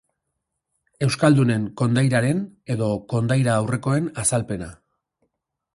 Euskaldunen kondairaren edo kondaira aurrekoen azalpena.